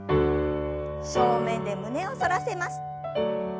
正面で胸を反らせます。